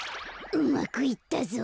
うまくいったぞ。